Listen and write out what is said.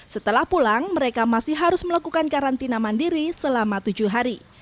setelah pulang mereka masih harus melakukan karantina mandiri selama tujuh hari